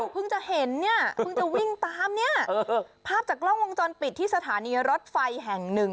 เพิ่งจะเห็นเนี่ยเพิ่งจะวิ่งตามเนี่ยภาพจากกล้องวงจรปิดที่สถานีรถไฟแห่งหนึ่ง